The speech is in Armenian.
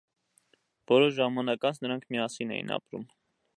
Որոշ ժամանակ անց նրանք միասին էին ապրում։